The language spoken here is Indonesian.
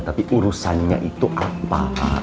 tapi urusannya itu apa